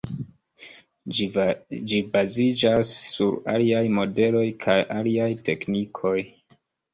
Ĝi baziĝas sur aliaj modeloj kaj aliaj teknikoj.